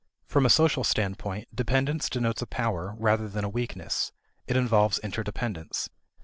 From a social standpoint, dependence denotes a power rather than a weakness; it involves interdependence.